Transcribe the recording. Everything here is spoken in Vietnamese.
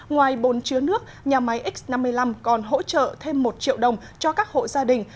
ngoài bồn chứa nước nhà máy x năm mươi năm còn hỗ trợ thêm một triệu đồng cho các hộ gia đình